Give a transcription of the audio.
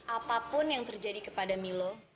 apapun yang terjadi kepada milo